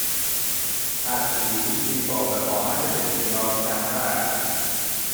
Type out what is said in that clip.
پس ویروسی با وخامت بسیار کمتر است